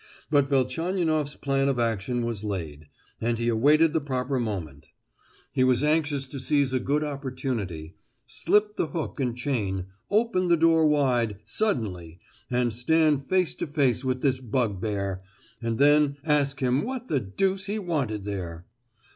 But Velchaninoff's plan of action was laid, and he awaited the proper moment; he was anxious to seize a good opportunity—slip the hook and chain—open the door wide, suddenly, and stand face to face with this bugbear, and then ask him what the deuce he wanted there.